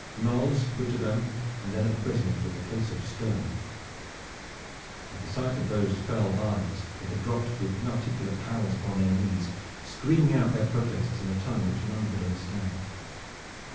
Knolles looked at them and then at the prisoners with a face of stone. At the sight of those fell eyes they had dropped with inarticulate howls upon their knees, screaming out their protests in a tongue which none could understand.